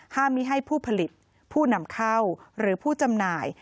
ไม่ให้ผู้ผลิตผู้นำเข้าหรือผู้จำหน่าย